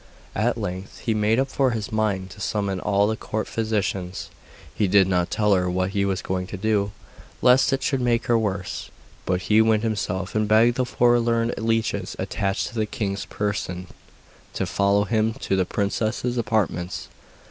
At length he made up his mind to summon all the court physicians; he did not tell her what he was going to do, lest it should make her worse, but he went himself and begged the four learned leeches attached to the king's person to follow him to the princess's apartments.